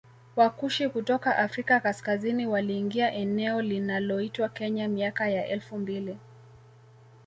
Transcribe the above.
Wakushi kutoka Afrika kaskazini waliingia eneo linaloitwa Kenya miaka ya elfu mbili